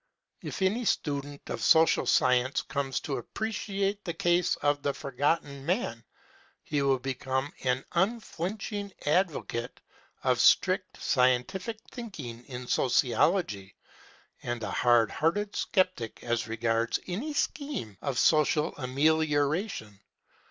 If any student of social science comes to appreciate the case of the Forgotten Man, he will become an unflinching advocate of strict scientific thinking in sociology, and a hard hearted skeptic as regards any scheme of social amelioration.